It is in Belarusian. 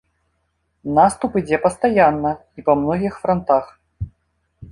Наступ ідзе пастаянна і па многіх франтах.